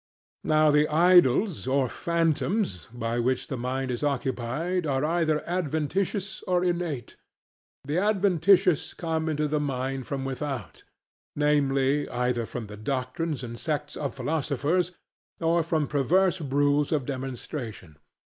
Now the idols, or phantoms, by which the mind is occupied are either adventitious or innate. The adventitious come into the mind from without; namely, either from the doctrines and sects of philosophers, or from perverse rules of demonstration.